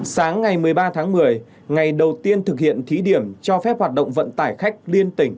sáng ngày một mươi ba tháng một mươi ngày đầu tiên thực hiện thí điểm cho phép hoạt động vận tải khách liên tỉnh